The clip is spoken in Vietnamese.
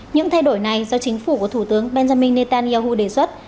những thay đổi này do chính phủ của thủ tướng benjamin netanyahu đề xuất